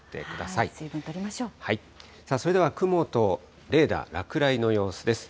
さあ、それでは雲とレーダー、落雷の様子です。